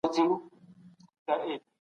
په پانګوال نظام کي د سرمایې راټولول هدف وي.